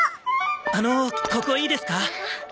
あのここいいですか？